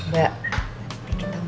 ya sama sama mbak